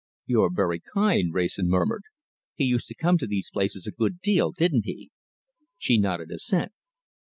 "You're very kind," Wrayson murmured. "He used to come to these places a good deal, didn't he?" She nodded assent.